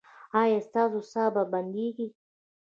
ایا ستاسو ساه به بندیږي؟